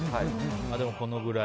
でも、このぐらい。